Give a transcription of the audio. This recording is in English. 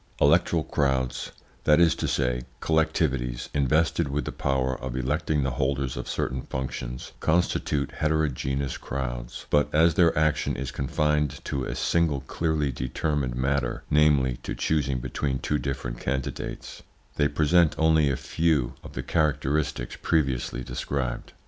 ELECTORAL crowds that is to say, collectivities invested with the power of electing the holders of certain functions constitute heterogeneous crowds, but as their action is confined to a single clearly determined matter, namely, to choosing between different candidates, they present only a few of the characteristics previously described.